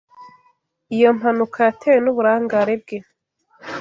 Iyo mpanuka yatewe n'uburangare bwe.